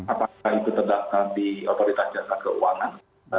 apakah itu terdaftar di otoritas jasa keuangan